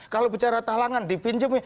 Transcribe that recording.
kalau bicara talangan dipinjamnya